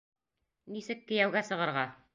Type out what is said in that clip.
НИСЕК КЕЙӘҮГӘ СЫҒЫРҒА